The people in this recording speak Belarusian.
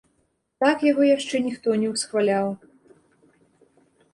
Так яго яшчэ ніхто не усхваляў.